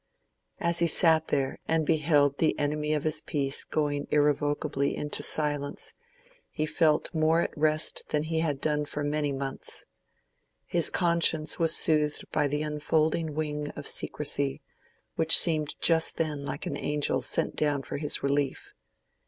As he sat there and beheld the enemy of his peace going irrevocably into silence, he felt more at rest than he had done for many months. His conscience was soothed by the enfolding wing of secrecy, which seemed just then like an angel sent down for his relief.